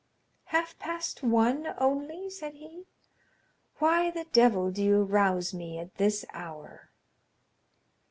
"Half past one only?" said he. "Why the devil do you rouse me at this hour?"